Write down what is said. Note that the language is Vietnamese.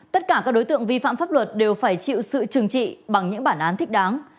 tất cả các đối tượng vi phạm pháp luật đều phải chịu sự trừng trị bằng những bản án thích đáng